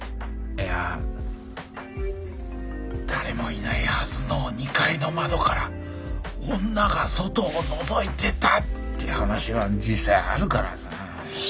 いや誰もいないはずの２階の窓から女が外をのぞいてたって話は実際あるからさ。